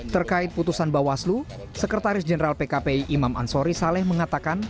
terkait putusan bawaslu sekretaris jenderal pkpi imam ansori saleh mengatakan